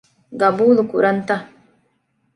ގަބޫލުކުރަންތަ؟